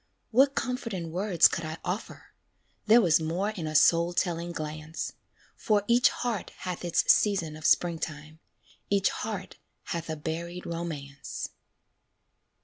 What comfort in words could I offer? There was more in a soul telling glance; For each heart hath its season of springtime, Each heart hath a buried romance.